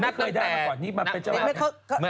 ไม่เคยได้มาก่อนนี้มาเป็นเจ้าภาพ